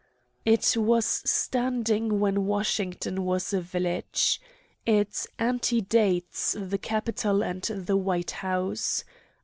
It was standing when Washington was a village. It antedates the Capitol and the White House.